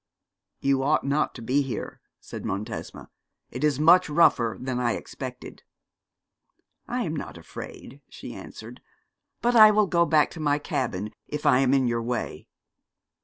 'You ought not to be here,' said Montesma; 'it is much rougher than I expected.' 'I am not afraid,' she answered; 'but I will go back to my cabin if I am in your way.'